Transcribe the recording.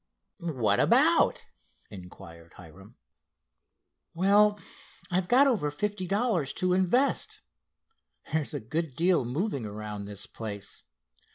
"What about?" inquired Hiram. "Well I've got over fifty dollars to invest. There's a good deal moving around this place.